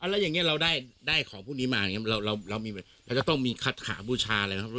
แล้วอย่างนี้เราได้ของพวกนี้มาเราจะต้องมีคัดขาบูชาอะไรครับ